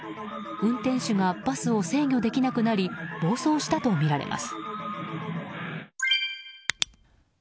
運転手がバスを制御できなくなり暴走したとみられます。